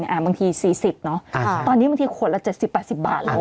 บางที๔๐เนอะตอนนี้บางทีขวดละ๗๐๘๐บาทแล้ว